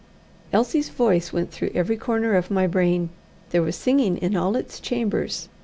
] Elsie's voice went through every corner of my brain: there was singing in all its chambers.